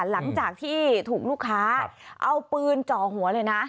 หลังจากที่ถูกลูกค้าเอาปืนจ่อหัวเลยนะ